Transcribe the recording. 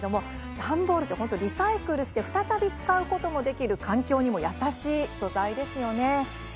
段ボールというのはリサイクルして再び使うこともできる環境に優しい素材ですよね。